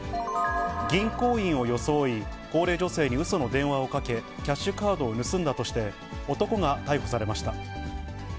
銀行員を装い、高齢女性にうその電話をかけ、キャッシュカードを盗んだとして、男が逮捕されました。